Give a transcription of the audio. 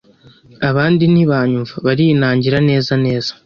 abandi ntibanyumva barinangira neza neza.